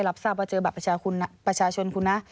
รับทราบว่าเจอบัตรประชาชนคุณนะ